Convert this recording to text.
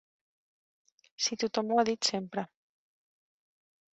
Si tothom ho ha dit sempre.